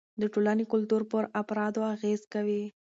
د ټولنې کلتور پر افرادو اغېز کوي.